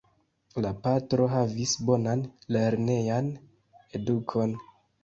La patro havis bonan lernejan edukon.